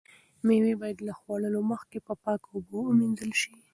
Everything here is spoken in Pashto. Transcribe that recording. مېوې باید له خوړلو مخکې په پاکو اوبو ومینځل شي.